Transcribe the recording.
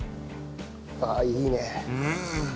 あっいいね。